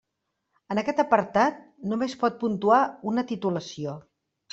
En aquest apartat només pot puntuar una titulació.